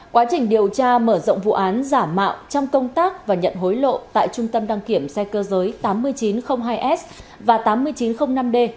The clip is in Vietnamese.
quá trình điều tra mở rộng vụ án giả mạo trong công tác và nhận hối lộ tại trung tâm đăng kiểm xe cơ giới tám nghìn chín trăm linh hai s và tám nghìn chín trăm linh năm d